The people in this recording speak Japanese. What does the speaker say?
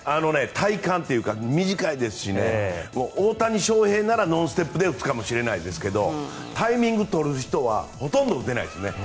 体感というか短いですし、大谷翔平ならノンステップで打つかもしれないですがタイミングを取る人はほとんど打てないですね。